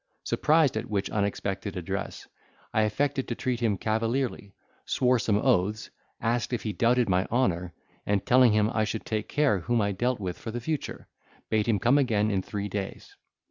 Surprised at which unexpected address, I affected to treat him cavalierly, swore some oaths, asked if he doubted my honour, and telling him I should take care whom I dealt with for the future, bade him come again in three days.